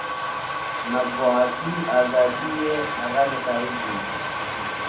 مطبوعاتي ازادي یې هغه نتایج وو.